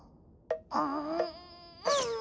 うん。